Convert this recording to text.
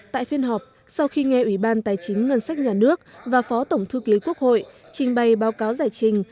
tại phiên họp sau khi nghe ủy ban tài chính ngân sách nhà nước và phó tổng thư ký quốc hội trình bày báo cáo giải trình